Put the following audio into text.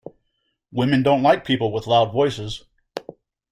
Women don't like people with loud voices.